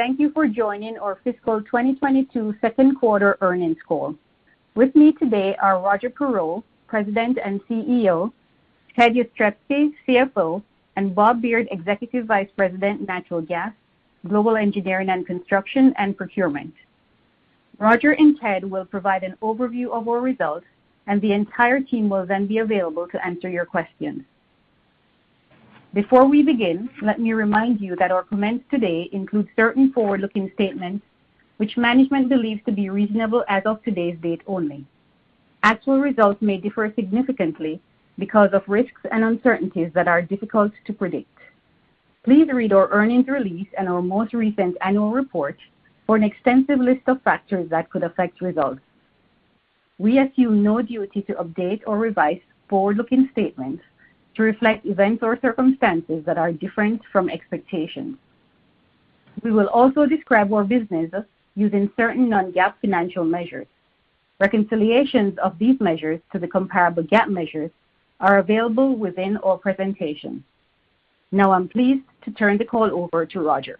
Thank you for joining our fiscal 2022 second quarter earnings call. With me today are Roger Perreault, President and CEO, Ted J. Jastrzebski, CFO, and Robert F. Beard, Executive Vice President, Natural Gas, Global Engineering and Construction and Procurement. Roger and Ted will provide an overview of our results, and the entire team will then be available to answer your questions. Before we begin, let me remind you that our comments today include certain forward-looking statements which management believes to be reasonable as of today's date only. Actual results may differ significantly because of risks and uncertainties that are difficult to predict. Please read our earnings release and our most recent annual report for an extensive list of factors that could affect results. We assume no duty to update or revise forward-looking statements to reflect events or circumstances that are different from expectations. We will also describe our business using certain non-GAAP financial measures. Reconciliations of these measures to the comparable GAAP measures are available within our presentation. Now I'm pleased to turn the call over to Roger.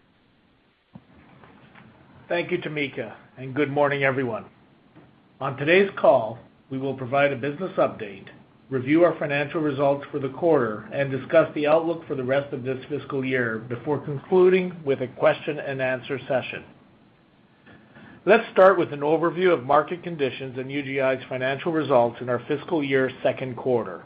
Thank you, Tamika, and good morning, everyone. On today's call, we will provide a business update, review our financial results for the quarter, and discuss the outlook for the rest of this fiscal year before concluding with a question-and-answer session. Let's start with an overview of market conditions and UGI's financial results in our fiscal year's second quarter.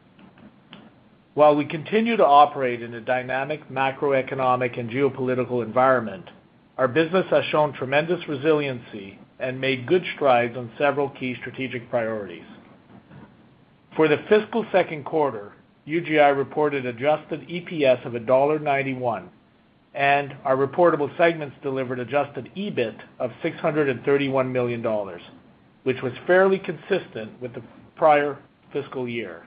While we continue to operate in a dynamic macroeconomic and geopolitical environment, our business has shown tremendous resiliency and made good strides on several key strategic priorities. For the fiscal second quarter, UGI reported adjusted EPS of $1.91, and our reportable segments delivered adjusted EBIT of $631 million, which was fairly consistent with the prior fiscal year.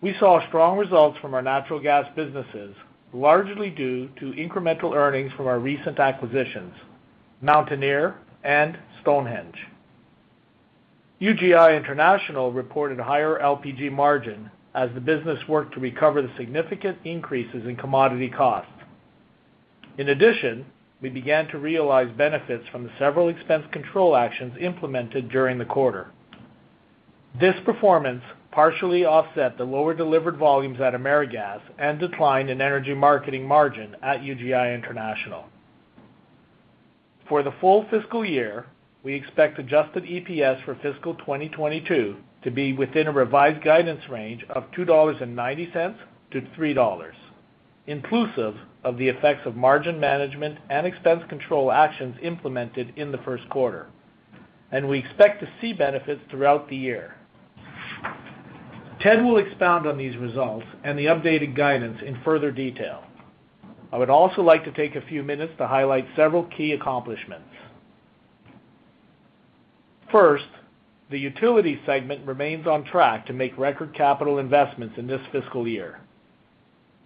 We saw strong results from our natural gas businesses, largely due to incremental earnings from our recent acquisitions, Mountaineer and Stonehenge. UGI International reported a higher LPG margin as the business worked to recover the significant increases in commodity costs. In addition, we began to realize benefits from the several expense control actions implemented during the quarter. This performance partially offset the lower delivered volumes at AmeriGas and decline in energy marketing margin at UGI International. For the full fiscal year, we expect adjusted EPS for fiscal 2022 to be within a revised guidance range of $2.90-$3.00, inclusive of the effects of margin management and expense control actions implemented in the first quarter, and we expect to see benefits throughout the year. Ted will expound on these results and the updated guidance in further detail. I would also like to take a few minutes to highlight several key accomplishments. First, the utility segment remains on track to make record capital investments in this fiscal year.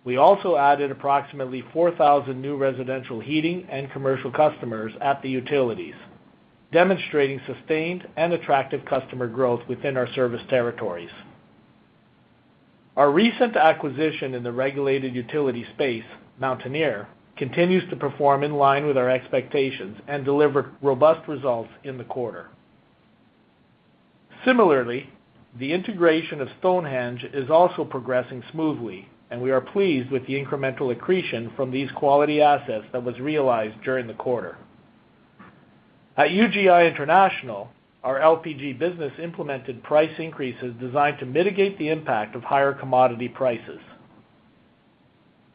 We also added approximately 4,000 new residential heating and commercial customers at the utilities, demonstrating sustained and attractive customer growth within our service territories. Our recent acquisition in the regulated utility space, Mountaineer, continues to perform in line with our expectations and deliver robust results in the quarter. Similarly, the integration of Stonehenge is also progressing smoothly, and we are pleased with the incremental accretion from these quality assets that was realized during the quarter. At UGI International, our LPG business implemented price increases designed to mitigate the impact of higher commodity prices.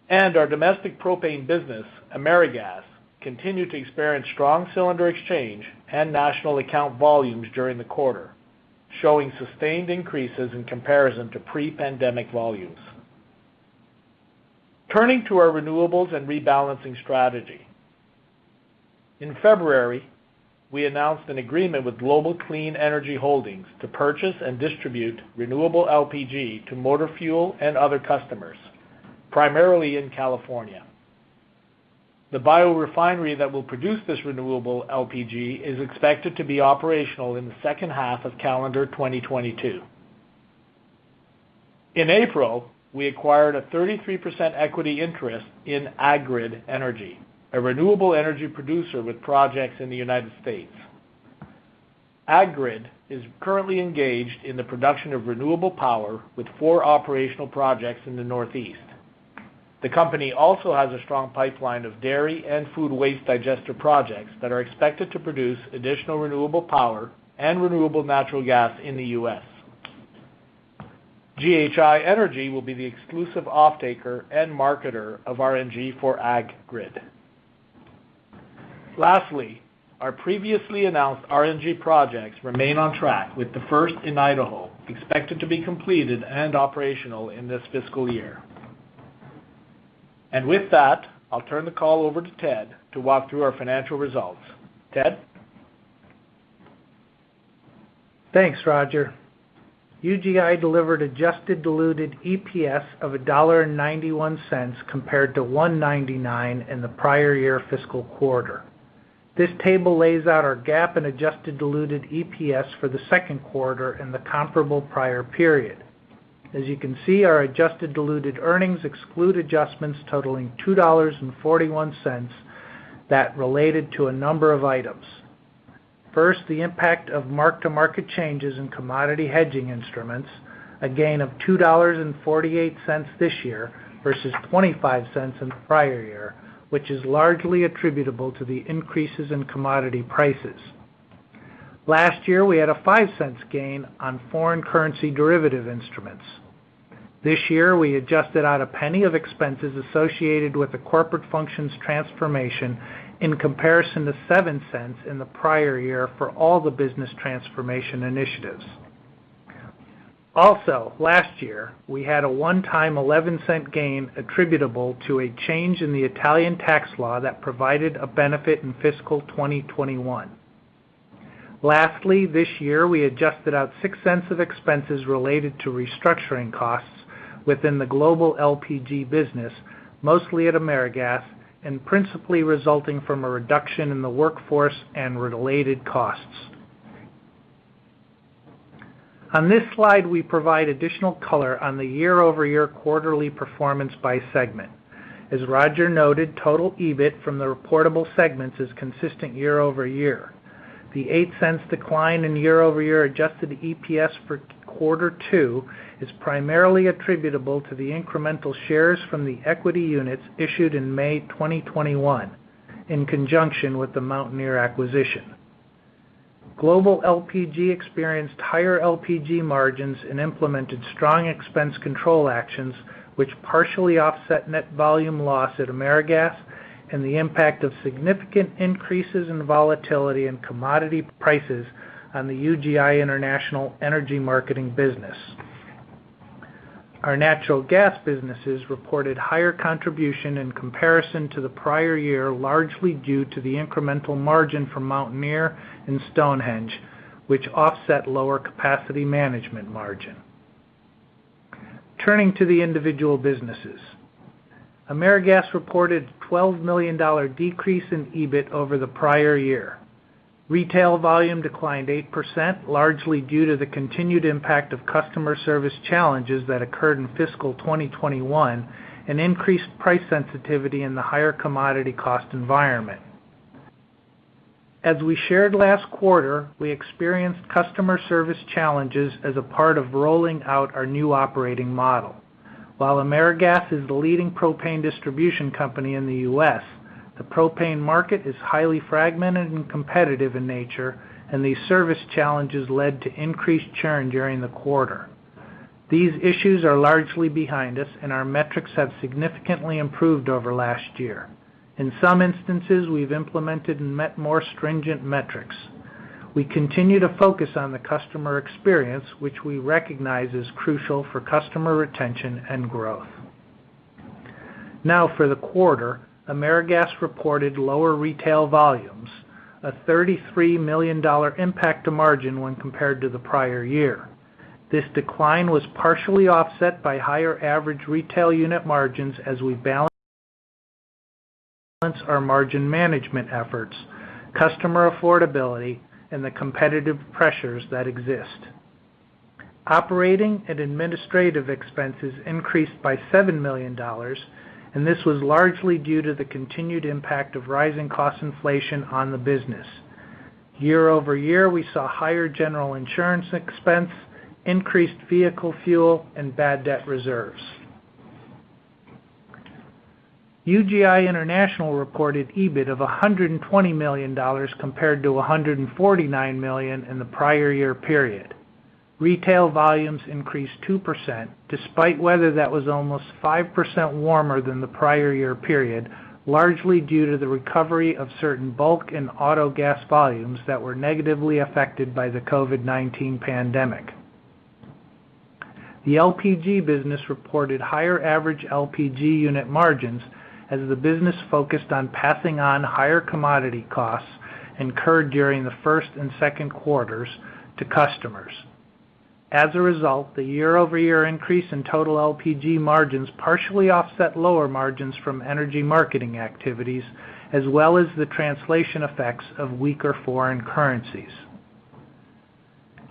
Our domestic propane business, AmeriGas, continued to experience strong cylinder exchange and national account volumes during the quarter, showing sustained increases in comparison to pre-pandemic volumes. Turning to our renewables and rebalancing strategy. In February, we announced an agreement with Global Clean Energy Holdings to purchase and distribute renewable LPG to motor fuel and other customers, primarily in California. The biorefinery that will produce this renewable LPG is expected to be operational in the second half of calendar 2022. In April, we acquired a 33% equity interest in Ag-Grid Energy, a renewable energy producer with projects in the United States. Ag-Grid is currently engaged in the production of renewable power with four operational projects in the Northeast. The company also has a strong pipeline of dairy and food waste digester projects that are expected to produce additional renewable power and renewable natural gas in the U.S. UGI Energy Services will be the exclusive offtaker and marketer of RNG for Ag-Grid. Lastly, our previously announced RNG projects remain on track with the first in Idaho expected to be completed and operational in this fiscal year. With that, I'll turn the call over to Ted to walk through our financial results. Ted? Thanks, Roger. UGI delivered adjusted diluted EPS of $1.91 compared to $1.99 in the prior year fiscal quarter. This table lays out our GAAP and adjusted diluted EPS for the second quarter and the comparable prior period. As you can see, our adjusted diluted earnings exclude adjustments totaling $2.41 that related to a number of items. First, the impact of mark-to-market changes in commodity hedging instruments, a gain of $2.48 this year versus $0.25 in the prior year, which is largely attributable to the increases in commodity prices. Last year, we had a $0.05 gain on foreign currency derivative instruments. This year, we adjusted out $0.01 of expenses associated with the corporate functions transformation in comparison to $0.07 in the prior year for all the business transformation initiatives. Also, last year, we had a one-time $0.11 gain attributable to a change in the Italian tax law that provided a benefit in fiscal 2021. Lastly, this year, we adjusted out $0.06 of expenses related to restructuring costs within the global LPG business, mostly at AmeriGas, and principally resulting from a reduction in the workforce and related costs. On this slide, we provide additional color on the year-over-year quarterly performance by segment. As Roger noted, total EBIT from the reportable segments is consistent year-over-year. The $0.08 decline in year-over-year adjusted EPS for quarter two is primarily attributable to the incremental shares from the equity units issued in May 2021 in conjunction with the Mountaineer acquisition. Global LPG experienced higher LPG margins and implemented strong expense control actions, which partially offset net volume loss at AmeriGas and the impact of significant increases in volatility in commodity prices on the UGI International Energy Marketing business. Our natural gas businesses reported higher contribution in comparison to the prior year, largely due to the incremental margin from Mountaineer and Stonehenge, which offset lower capacity management margin. Turning to the individual businesses. AmeriGas reported $12 million decrease in EBIT over the prior year. Retail volume declined 8%, largely due to the continued impact of customer service challenges that occurred in fiscal 2021 and increased price sensitivity in the higher commodity cost environment. As we shared last quarter, we experienced customer service challenges as a part of rolling out our new operating model. While AmeriGas is the leading propane distribution company in the U.S., the propane market is highly fragmented and competitive in nature, and these service challenges led to increased churn during the quarter. These issues are largely behind us, and our metrics have significantly improved over last year. In some instances, we've implemented more stringent metrics. We continue to focus on the customer experience, which we recognize is crucial for customer retention and growth. Now, for the quarter, AmeriGas reported lower retail volumes, a $33 million impact to margin when compared to the prior year. This decline was partially offset by higher average retail unit margins as we balance our margin management efforts, customer affordability, and the competitive pressures that exist. Operating and administrative expenses increased by $7 million, and this was largely due to the continued impact of rising cost inflation on the business. Year-over-year, we saw higher general insurance expense, increased vehicle fuel, and bad debt reserves. UGI International reported EBIT of $120 million compared to $149 million in the prior year period. Retail volumes increased 2% despite weather that was almost 5% warmer than the prior year period, largely due to the recovery of certain bulk and auto gas volumes that were negatively affected by the COVID-19 pandemic. The LPG business reported higher average LPG unit margins as the business focused on passing on higher commodity costs incurred during the first and second quarters to customers. As a result, the year-over-year increase in total LPG margins partially offset lower margins from energy marketing activities, as well as the translation effects of weaker foreign currencies.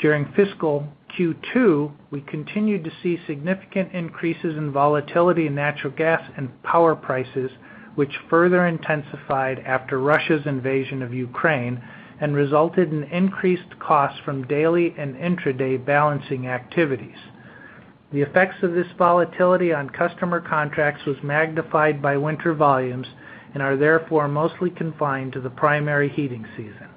During fiscal Q2, we continued to see significant increases in volatility in natural gas and power prices, which further intensified after Russia's invasion of Ukraine and resulted in increased costs from daily and intraday balancing activities. The effects of this volatility on customer contracts was magnified by winter volumes and are therefore mostly confined to the primary heating season.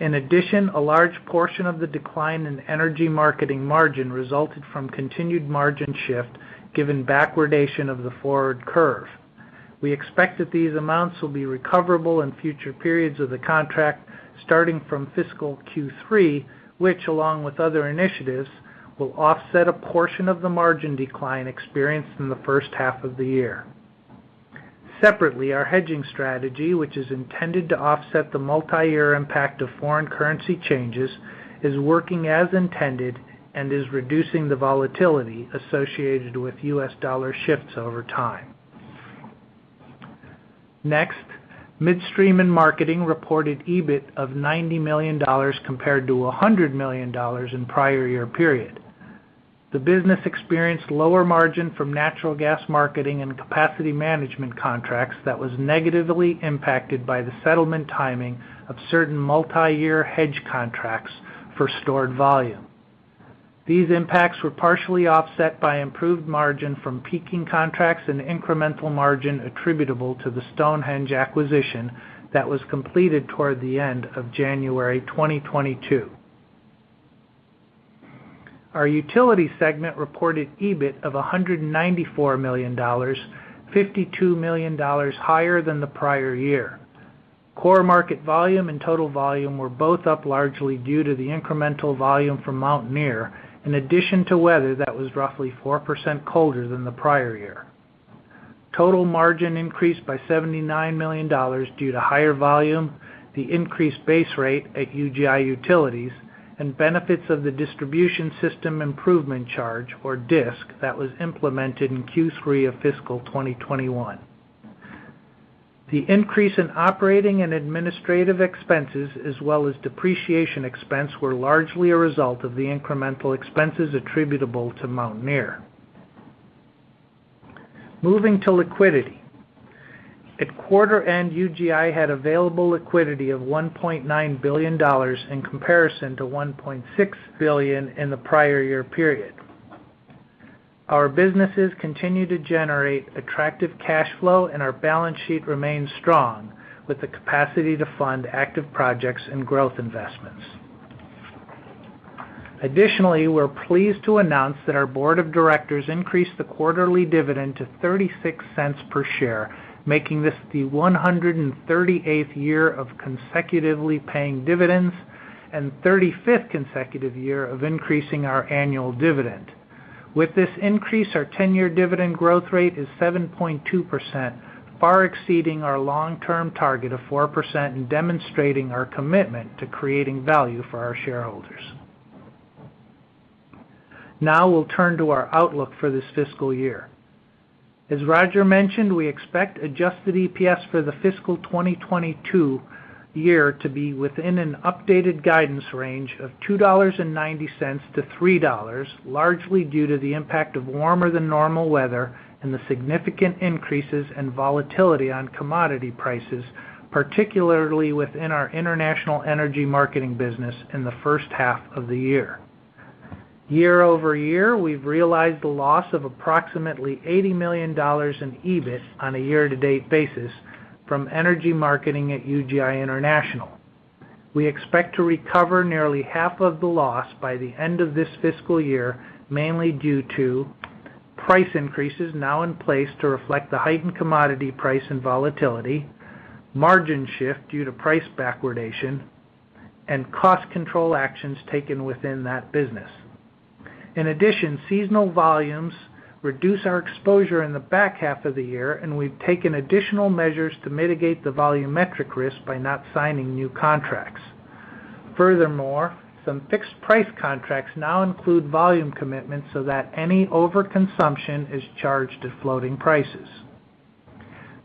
In addition, a large portion of the decline in energy marketing margin resulted from continued margin shift given backwardation of the forward curve. We expect that these amounts will be recoverable in future periods of the contract starting from fiscal Q3, which along with other initiatives, will offset a portion of the margin decline experienced in the first half of the year. Separately, our hedging strategy, which is intended to offset the multi-year impact of foreign currency changes, is working as intended and is reducing the volatility associated with US dollar shifts over time. Next, Midstream & Marketing reported EBIT of $90 million compared to $100 million in prior year period. The business experienced lower margin from natural gas marketing and capacity management contracts that was negatively impacted by the settlement timing of certain multiyear hedge contracts for stored volume. These impacts were partially offset by improved margin from peaking contracts and incremental margin attributable to the Stonehenge acquisition that was completed toward the end of January 2022. Our Utility segment reported EBIT of $194 million, $52 million higher than the prior year. Core market volume and total volume were both up largely due to the incremental volume from Mountaineer, in addition to weather that was roughly 4% colder than the prior year. Total margin increased by $79 million due to higher volume, the increased base rate at UGI Utilities, and benefits of the distribution system improvement charge, or DISC, that was implemented in Q3 of fiscal 2021. The increase in operating and administrative expenses as well as depreciation expense were largely a result of the incremental expenses attributable to Mountaineer. Moving to liquidity. At quarter end, UGI had available liquidity of $1.9 billion in comparison to $1.6 billion in the prior year period. Our businesses continue to generate attractive cash flow, and our balance sheet remains strong with the capacity to fund active projects and growth investments. Additionally, we're pleased to announce that our board of directors increased the quarterly dividend to $0.36 per share, making this the 138th year of consecutively paying dividends and 35th consecutive year of increasing our annual dividend. With this increase, our 10-year dividend growth rate is 7.2%, far exceeding our long-term target of 4% and demonstrating our commitment to creating value for our shareholders. Now we'll turn to our outlook for this fiscal year. As Roger mentioned, we expect adjusted EPS for the fiscal 2022 year to be within an updated guidance range of $2.90-$3, largely due to the impact of warmer than normal weather and the significant increases in volatility on commodity prices, particularly within our international energy marketing business in the first half of the year. Year-over-year, we've realized a loss of approximately $80 million in EBIT on a year-to-date basis from energy marketing at UGI International. We expect to recover nearly half of the loss by the end of this fiscal year, mainly due to price increases now in place to reflect the heightened commodity price and volatility, margin shift due to price backwardation, and cost control actions taken within that business. In addition, seasonal volumes reduce our exposure in the back half of the year, and we've taken additional measures to mitigate the volumetric risk by not signing new contracts. Furthermore, some fixed price contracts now include volume commitments so that any overconsumption is charged at floating prices.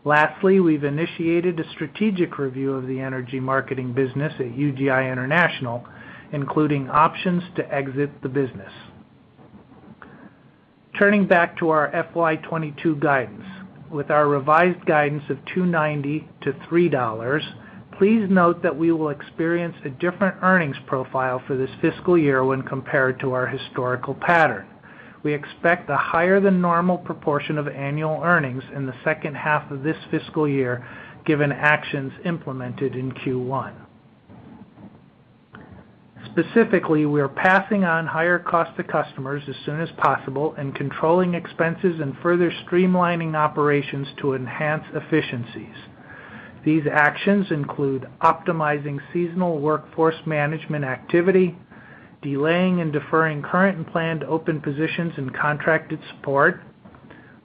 Lastly, we've initiated a strategic review of the energy marketing business at UGI International, including options to exit the business. Turning back to our FY 2022 guidance. With our revised guidance of $2.90-$3, please note that we will experience a different earnings profile for this fiscal year when compared to our historical pattern. We expect a higher than normal proportion of annual earnings in the second half of this fiscal year, given actions implemented in Q1. Specifically, we are passing on higher cost to customers as soon as possible and controlling expenses and further streamlining operations to enhance efficiencies. These actions include optimizing seasonal workforce management activity, delaying and deferring current and planned open positions in contracted support,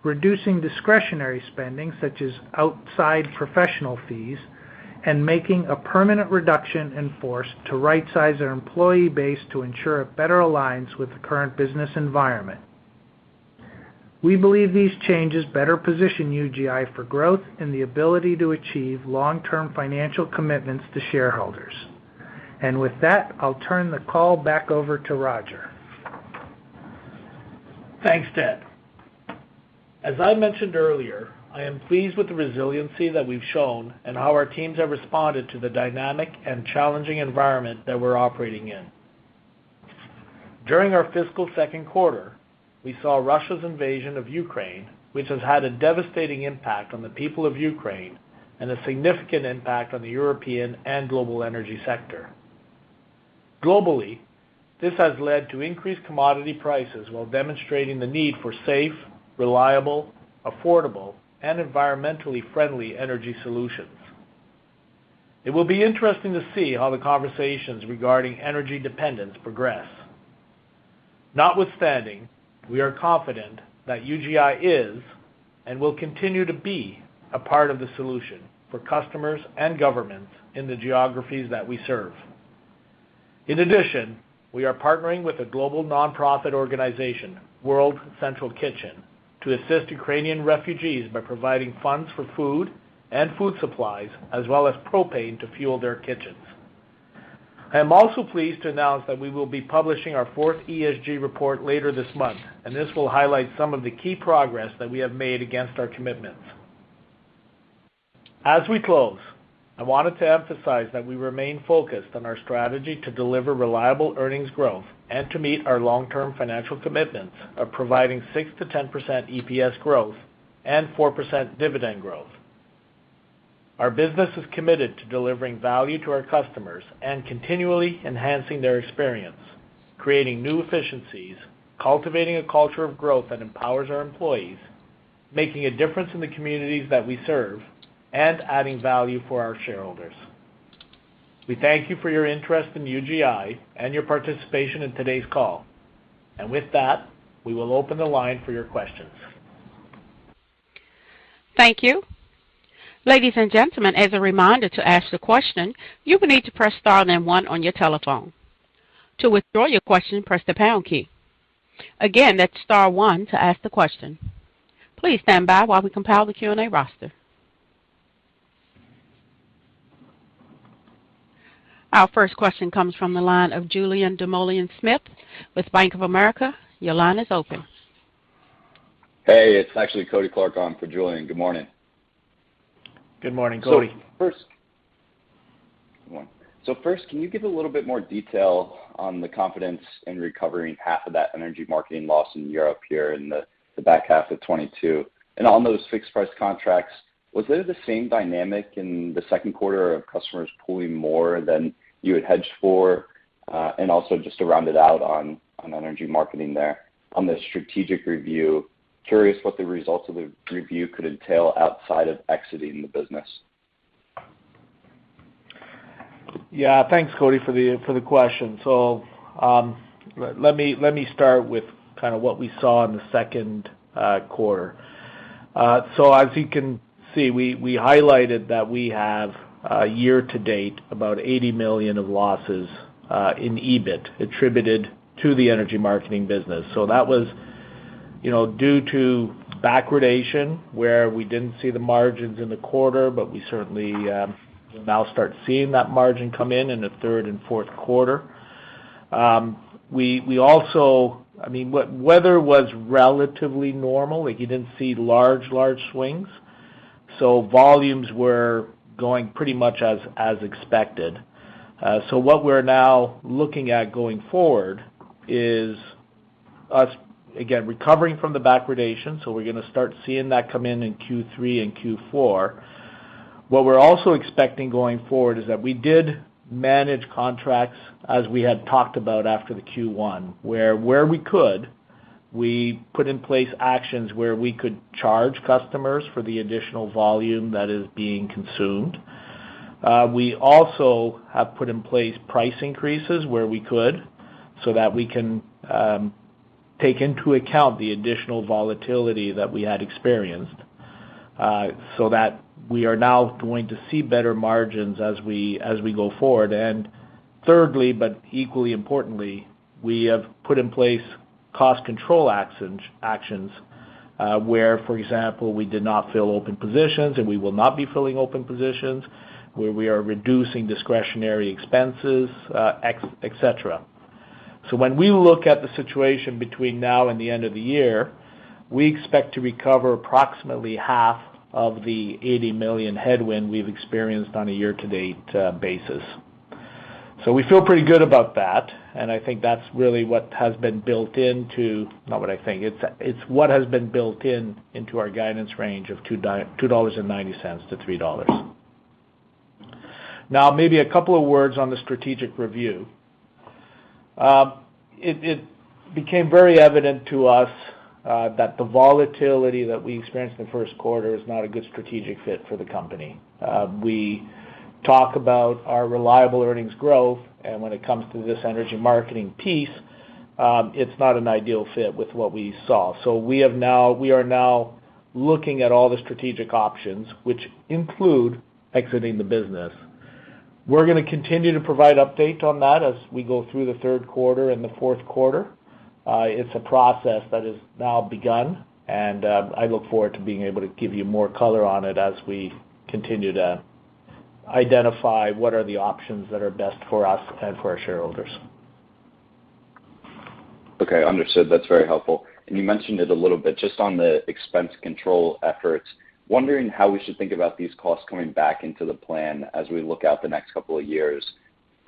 reducing discretionary spending such as outside professional fees, and making a permanent reduction in force to right-size our employee base to ensure a better alignment with the current business environment. We believe these changes better position UGI for growth and the ability to achieve long-term financial commitments to shareholders. With that, I'll turn the call back over to Roger. Thanks, Ted. As I mentioned earlier, I am pleased with the resiliency that we've shown and how our teams have responded to the dynamic and challenging environment that we're operating in. During our fiscal second quarter, we saw Russia's invasion of Ukraine, which has had a devastating impact on the people of Ukraine and a significant impact on the European and global energy sector. Globally, this has led to increased commodity prices while demonstrating the need for safe, reliable, affordable, and environmentally friendly energy solutions. It will be interesting to see how the conversations regarding energy dependence progress. Notwithstanding, we are confident that UGI is and will continue to be a part of the solution for customers and governments in the geographies that we serve. In addition, we are partnering with a global nonprofit organization, World Central Kitchen, to assist Ukrainian refugees by providing funds for food and food supplies, as well as propane to fuel their kitchens. I am also pleased to announce that we will be publishing our fourth ESG report later this month, and this will highlight some of the key progress that we have made against our commitments. As we close, I wanted to emphasize that we remain focused on our strategy to deliver reliable earnings growth and to meet our long-term financial commitments of providing 6%-10% EPS growth and 4% dividend growth. Our business is committed to delivering value to our customers and continually enhancing their experience, creating new efficiencies, cultivating a culture of growth that empowers our employees, making a difference in the communities that we serve, and adding value for our shareholders. We thank you for your interest in UGI and your participation in today's call. With that, we will open the line for your questions. Our first question comes from the line of Julien Dumoulin-Smith with Bank of America. Your line is open. Hey, it's actually Kody Clark on for Julien. Good morning. Good morning, Kody. First, can you give a little bit more detail on the confidence in recovering half of that energy marketing loss in Europe here in the back half of 2022? On those fixed price contracts, was it the same dynamic in the second quarter of customers pulling more than you had hedged for? Also just to round it out on energy marketing there. On the strategic review, curious what the results of the review could entail outside of exiting the business. Yeah. Thanks, Kody, for the question. Let me start with kind of what we saw in the second quarter. As you can see, we highlighted that we have year-to-date about $80 million of losses in EBIT, attributed to the energy marketing business. That was, you know, due to backwardation, where we didn't see the margins in the quarter, but we certainly now start seeing that margin come in in the third and fourth quarter. We also, I mean, weather was relatively normal. Like, you didn't see large swings, so volumes were going pretty much as expected. What we're now looking at going forward is us, again, recovering from the backwardation. We're gonna start seeing that come in in Q3 and Q4. What we're also expecting going forward is that we did manage contracts as we had talked about after the Q1, where we could, we put in place actions where we could charge customers for the additional volume that is being consumed. We also have put in place price increases where we could so that we can take into account the additional volatility that we had experienced, so that we are now going to see better margins as we go forward. Thirdly, but equally importantly, we have put in place cost control actions, where, for example, we did not fill open positions, and we will not be filling open positions, where we are reducing discretionary expenses, et cetera. When we look at the situation between now and the end of the year, we expect to recover approximately half of the $80 million headwind we've experienced on a year-to-date basis. We feel pretty good about that, and that's really what has been built into our guidance range of $2.90-$3.00. Now maybe a couple of words on the strategic review. It became very evident to us that the volatility that we experienced in the first quarter is not a good strategic fit for the company. We talk about our reliable earnings growth, and when it comes to this energy marketing piece, it's not an ideal fit with what we saw. We are now looking at all the strategic options which include exiting the business. We're gonna continue to provide updates on that as we go through the third quarter and the fourth quarter. It's a process that has now begun, and I look forward to being able to give you more color on it as we continue to identify what are the options that are best for us and for our shareholders. Okay, understood. That's very helpful. You mentioned it a little bit, just on the expense control efforts, wondering how we should think about these costs coming back into the plan as we look out the next couple of years,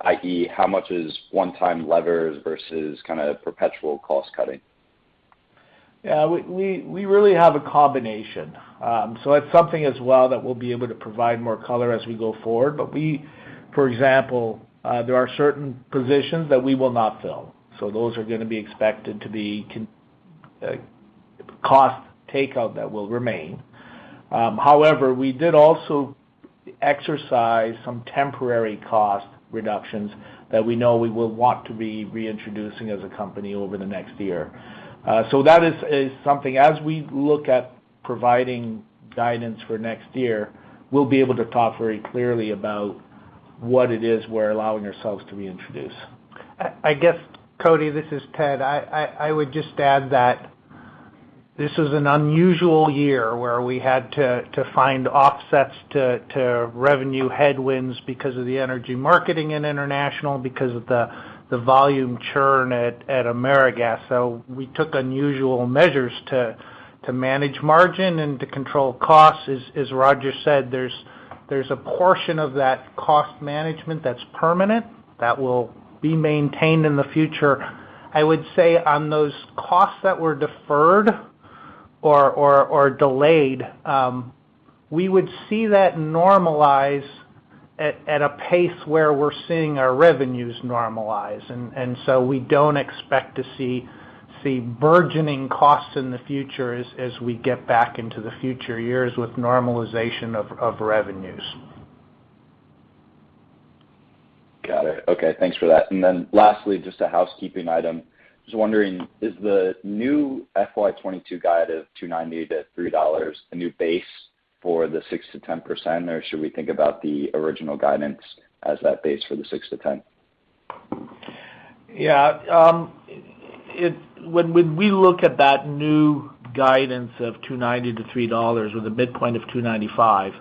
i.e., how much is one-time levers versus kind of perpetual cost cutting? Yeah. We really have a combination. It's something as well that we'll be able to provide more color as we go forward. For example, there are certain positions that we will not fill, so those are gonna be expected to be cost takeout that will remain. However, we did also exercise some temporary cost reductions that we know we will want to be reintroducing as a company over the next year. That is something as we look at providing guidance for next year, we'll be able to talk very clearly about what it is we're allowing ourselves to reintroduce. I guess, Kody, this is Ted. I would just add that this is an unusual year where we had to find offsets to revenue headwinds because of the energy marketing and international because of the volume churn at AmeriGas. We took unusual measures to manage margin and to control costs. As Roger said, there's a portion of that cost management that's permanent that will be maintained in the future. I would say on those costs that were deferred or delayed, we would see that normalize at a pace where we're seeing our revenues normalize. We don't expect to see burgeoning costs in the future as we get back into the future years with normalization of revenues. Got it. Okay, thanks for that. Lastly, just a housekeeping item. Just wondering, is the new FY 2022 guide of $2.90-$3 a new base for the 6%-10%, or should we think about the original guidance as that base for the 6%-10%? Yeah. When we look at that new guidance of $2.90-$3.00 with a midpoint of $2.95,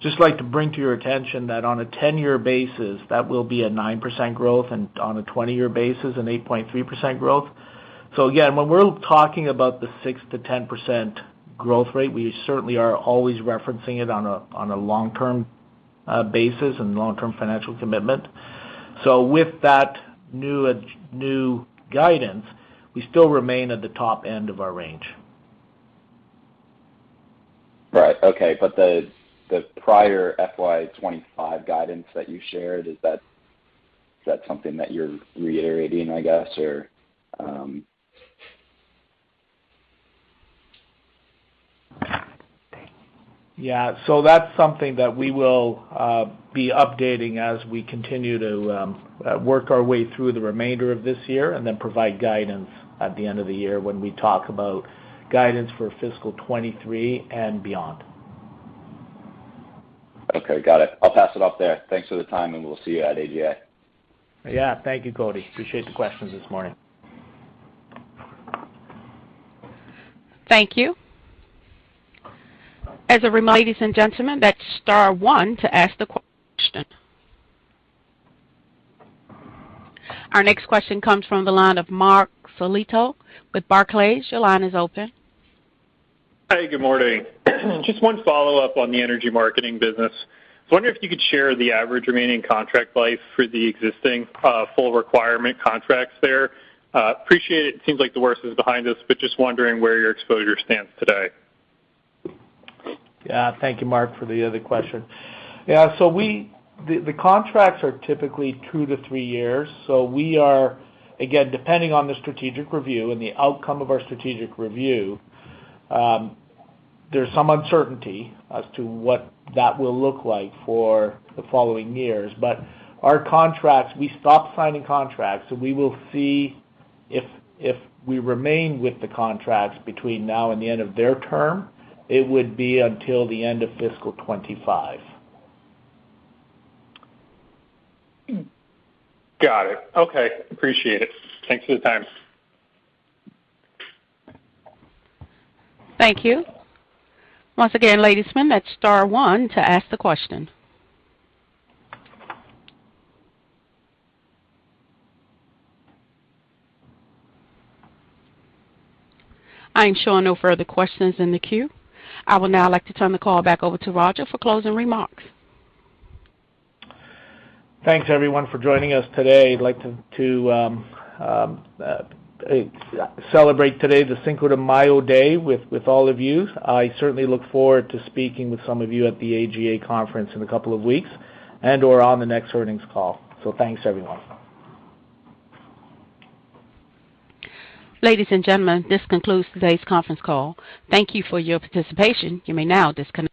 just like to bring to your attention that on a 10-year basis, that will be a 9% growth, and on a 20-year basis, an 8.3% growth. Again, when we're talking about the 6%-10% growth rate, we certainly are always referencing it on a long-term basis and long-term financial commitment. With that new guidance, we still remain at the top end of our range. Right. Okay. The prior FY 25 guidance that you shared, is that something that you're reiterating, I guess, or? Yeah. That's something that we will be updating as we continue to work our way through the remainder of this year and then provide guidance at the end of the year when we talk about guidance for fiscal 2023 and beyond. Okay. Got it. I'll pass it off there. Thanks for the time, and we'll see you at AGA. Yeah. Thank you, Cody. Appreciate the questions this morning. Our next question comes from the line of Marc Solecitto with Barclays. Your line is open. Hi. Good morning. Just one follow-up on the energy marketing business. I was wondering if you could share the average remaining contract life for the existing full requirement contracts there. Appreciate it. It seems like the worst is behind us, but just wondering where your exposure stands today. Yeah. Thank you, Marc, for the other question. Yeah. The contracts are typically two to three years. Again, depending on the strategic review and the outcome of our strategic review, there's some uncertainty as to what that will look like for the following years. Our contracts, we stopped signing contracts, so we will see if we remain with the contracts between now and the end of their term. It would be until the end of fiscal 2025. Got it. Okay. Appreciate it. Thanks for the time. Thank you. Once again, ladies, that's star one to ask the question. I am showing no further questions in the queue. I would now like to turn the call back over to Roger for closing remarks. Thanks, everyone, for joining us today. I'd like to celebrate today, the Cinco de Mayo day with all of you. I certainly look forward to speaking with some of you at the AGA conference in a couple of weeks and/or on the next earnings call. Thanks, everyone. Ladies and gentlemen, this concludes today's conference call. Thank you for your participation. You may now disconnect.